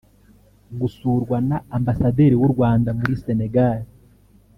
Gusurwa na Ambasaderi w’u Rwanda muri Sénégal’